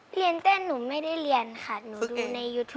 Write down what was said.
เรียนเต้นหนูไม่ได้เรียนค่ะหนูดูในยูทูป